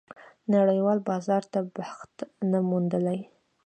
نړېوال بازار ته بخت نه موندلی.